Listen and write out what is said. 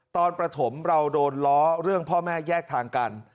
ประถมเราโดนล้อเรื่องพ่อแม่แยกทางกัน